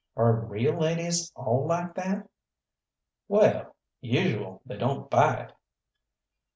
Are real ladies all like that?" "Well, usual they don't bite."